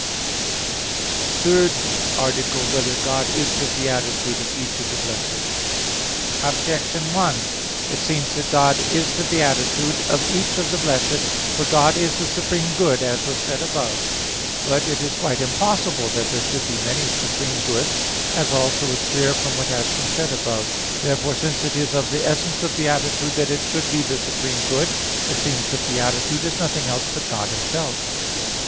_______________________ THIRD ARTICLE [I, Q. 26, Art. 3] Whether God Is the Beatitude of Each of the Blessed? Objection 1: It seems that God is the beatitude of each of the blessed. For God is the supreme good, as was said above (Q. 6, AA. 2, 4). But it is quite impossible that there should be many supreme goods, as also is clear from what has been said above (Q. 11, A. 3). Therefore, since it is of the essence of beatitude that it should be the supreme good, it seems that beatitude is nothing else but God Himself.